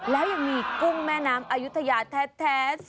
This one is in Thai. แล้วยังมีกุ้งแม่น้ำอายุทยาแท้ส